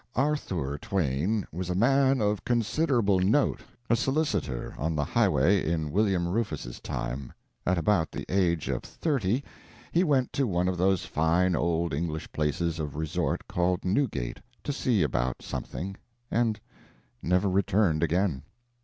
Arthour Twain was a man of considerable note a solicitor on the highway in William Rufus' time. At about the age of thirty he went to one of those fine old English places of resort called Newgate, to see about something, and never returned again.